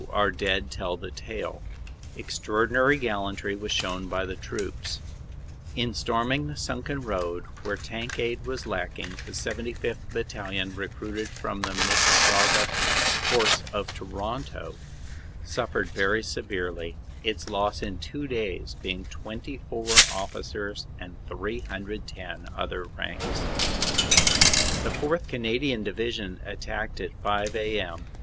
our dead tell the tale. Extraordinary gallantry was shown by the troops. In storm ing the sunken road, where tank aid was lacking, the 75th. Bat talion, recruited from the Missisauga Horse of Toronto, suf fered very severely, its loss in two days being 24 officers and 310 other ranks. 164 CANADA S HUNDRED DAYS The 4th. Canadian Division attacked at 5 a.m.